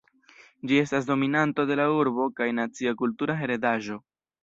Ĝi estas dominanto de la urbo kaj nacia kultura heredaĵo.